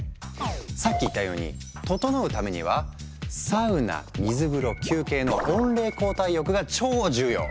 さっき言ったように「ととのう」ためには「サウナ水風呂休憩」の温冷交代浴が超重要！